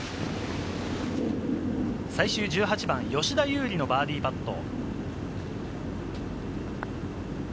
最終１８番、吉田優利のバーディーパット。